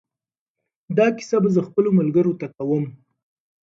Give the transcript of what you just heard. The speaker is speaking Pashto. دا کیسه به زه خپلو ملګرو ته کوم.